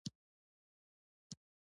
چارمغز د شکرې ناروغانو لپاره ګټور دی.